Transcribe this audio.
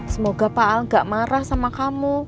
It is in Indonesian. semoga pak al gak marah sama kamu